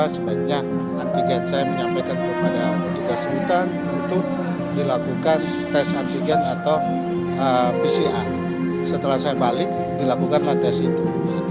setelah saya balik dilakukanlah tes itu